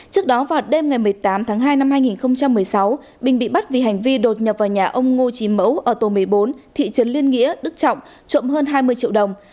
trước đó vào đêm ngày một mươi tám tháng hai năm hai nghìn một mươi sáu bình bị bắt vì hành vi đột nhập vào nhà ông ngô trí mẫu ở tổ một mươi bốn thị trấn liên nghĩa đức trọng trộm hơn hai mươi triệu đồng